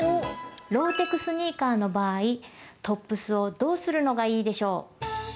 ローテクスニーカーの場合トップスをどうするのがいいでしょう？